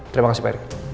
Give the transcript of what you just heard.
terima kasih pak erik